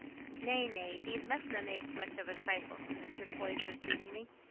"Nay, nay, thee mustna make much of a trifle," said Mr. Poyser, soothingly.